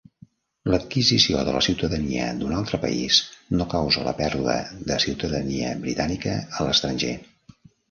L'adquisició de la ciutadania d'un altre país no causa la pèrdua de ciutadania britànica a l'estranger.